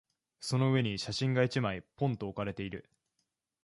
その上に写真が一枚、ぽんと置かれている。